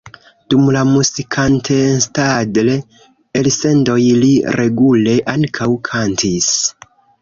Dum la "Musikantenstadl"-elsendoj li regule ankaŭ kantis.